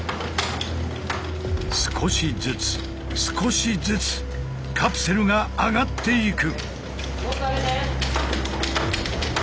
少しずつ少しずつカプセルが上がっていく。